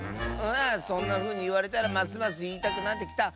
そんなふうにいわれたらますますいいたくなってきた。